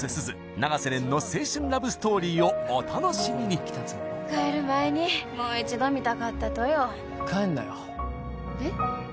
永瀬廉の青春ラブストーリーをお楽しみに帰る前にもう一度見たかったとよ帰るなよえっ？